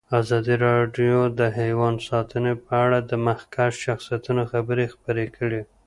ازادي راډیو د حیوان ساتنه په اړه د مخکښو شخصیتونو خبرې خپرې کړي.